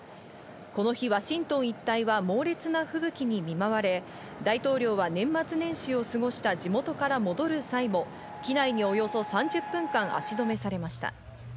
この日、ワシントン一帯は猛烈な吹雪に見舞われ、大統領は年末年始を過ごした地元から戻る際も機内におよそ３０分間、足止めされました。